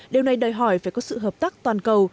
điều này đòi hỏi phải có sự hợp tác toàn cầu